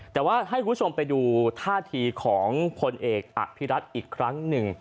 แต่ว่าให้คุณผู้ชมไปดูท่าทีของพลเอกอภิรัตน์อีกครั้งหนึ่ง